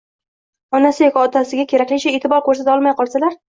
onasi yoki otasiga keraklicha e’tibor ko‘rsata olmay qolsalar